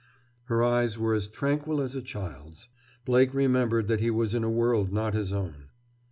Her eyes were as tranquil as a child's. Blake remembered that he was in a world not his own.